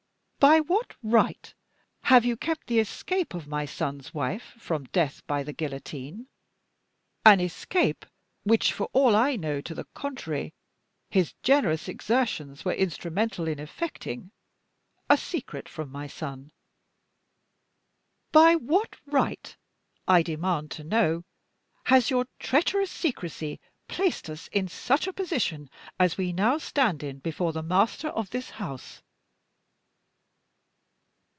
By what right have you kept the escape of my son's wife from death by the guillotine an escape which, for all I know to the contrary, his generous exertions were instrumental in effecting a secret from my son? By what right, I demand to know, has your treacherous secrecy placed us in such a position as we now stand in before the master of this house?"